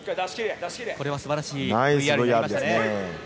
これは素晴らしいＶＲになりました。